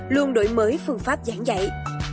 luôn đổi mới phương pháp giảng dạy